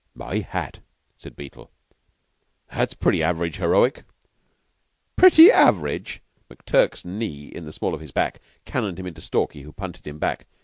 "My Hat!" said Beetle. "That's pretty average heroic." "Pretty average!" McTurk's knee in the small of his back cannoned him into Stalky, who punted him back.